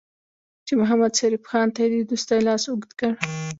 چې محمدشریف خان ته یې د دوستۍ لاس اوږد کړ.